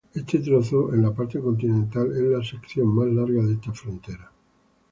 Este trozo en la parte continental es la sección más larga de esta frontera.